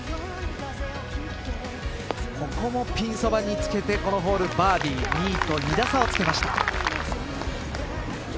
ここをもピンそばにつけてこのホール、バーディー２位と２打差をつけました。